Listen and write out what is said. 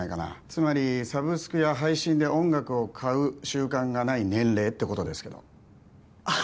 つまりサブスクや配信で音楽を買う習慣がない年齢ってことですけどああ